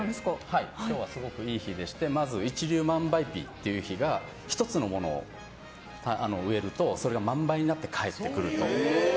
はい今日はすごくいい日でしてまず一粒万倍日という日が１つのものを植えるとそれが万倍になって返ってくると。